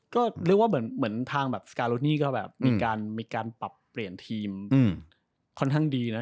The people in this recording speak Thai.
ก็เรียกว่าเหมือนทางแบบสการุนี่ก็แบบมีการปรับเปลี่ยนทีมค่อนข้างดีนะ